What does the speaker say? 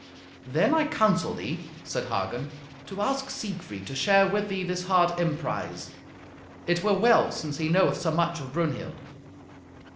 "Then I counsel thee," said Hagen, "to ask Siegfried to share with thee this hard emprise. It were well, since he knoweth so much of Brunhild."